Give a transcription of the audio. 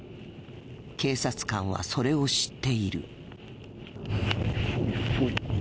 警察官はそれを知っている。